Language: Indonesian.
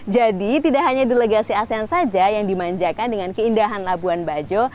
jadi tidak hanya delegasi asen saja yang dimanjakan dengan keindahan labuan bajo